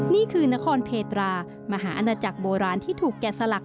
นี่คือนครเพตรามหาอาณาจักรโบราณที่ถูกแก่สลัก